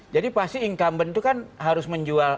jadi pasti incumbent itu kan harus menjual